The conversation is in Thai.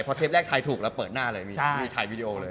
พอเทปแรกไทยถูกเราเปิดหน้าเลยมีถ่ายวีดีโอเลย